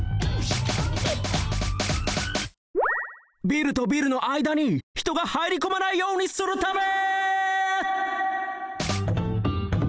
ビルとビルのあいだにひとがはいりこまないようにするため！